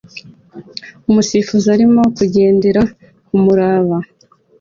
Umusifuzi arimo kugendera kumuraba